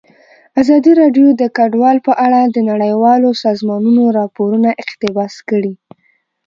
ازادي راډیو د کډوال په اړه د نړیوالو سازمانونو راپورونه اقتباس کړي.